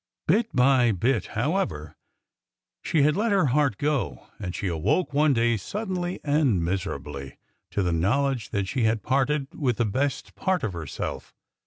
Bit by bit, however, she had let her heart go, and she awoke one day, suddenly and miserably, to the knowledge that she had parted with the best part of herself.